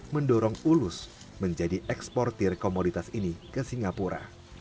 mendorong ulus menjadi eksportir komoditas ini ke singapura